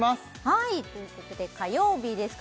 はいということで火曜日です